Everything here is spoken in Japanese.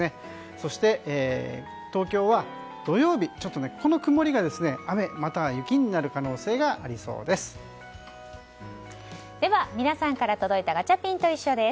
そして、東京は土曜日ちょっとこの曇りが雨、または雪になる可能性がありそうです。